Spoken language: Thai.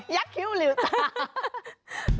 ยักษ์คิ้วลิวตา